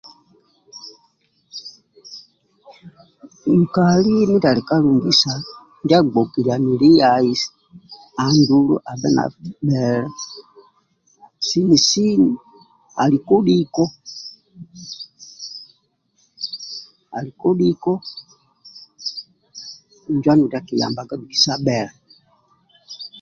Nkali mudiali ka lugisa ndia bhokilani liai adulu abhe dha bele sini sini ali kodhiko njo adulu ndia kiyabaga bhikisa bhele